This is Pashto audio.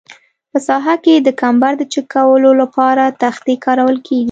په ساحه کې د کمبر د چک کولو لپاره تختې کارول کیږي